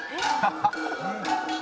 ハハハハ！